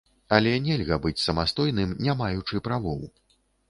Але нельга быць самастойным, не маючы правоў.